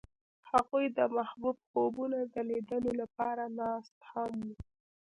هغوی د محبوب خوبونو د لیدلو لپاره ناست هم وو.